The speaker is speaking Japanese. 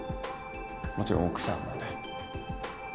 もちろん奥さんもね。